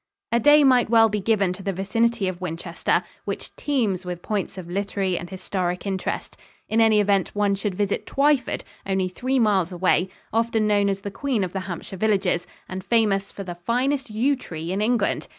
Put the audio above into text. A day might well be given to the vicinity of Winchester, which teems with points of literary and historic interest. In any event, one should visit Twyford, only three miles away, often known as the "queen of the Hampshire villages" and famous for the finest yew tree in England.